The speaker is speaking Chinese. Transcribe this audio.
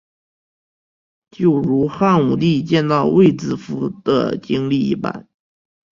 就如汉武帝见到卫子夫的经历一般。